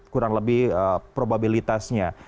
kurang lebih probabilitasnya